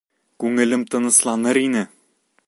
Күңелем тынысланыр ине!